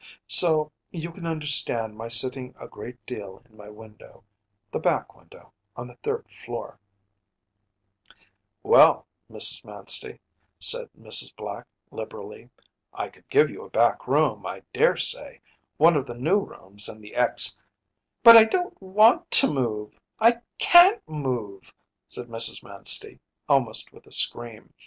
So you can understand my sitting a great deal in my window the back window on the third floor ‚ÄĚ “Well, Mrs. Manstey,‚ÄĚ said Mrs. Black, liberally, “I could give you a back room, I dare say; one of the new rooms in the ex ‚ÄĚ “But I don’t want to move; I can’t move,‚ÄĚ said Mrs. Manstey, almost with a scream.